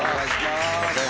すいません。